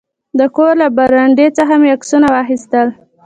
د کور له برنډې څخه مې عکسونه واخیستل.